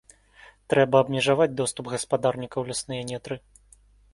Трэба абмежаваць доступ гаспадарніка ў лясныя нетры.